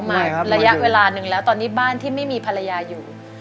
มาระยะเวลาหนึ่งแล้วตอนนี้บ้านที่ไม่มีภรรยาอยู่